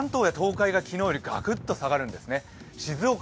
関東や東海が昨日よりガクッと下がるんですよね。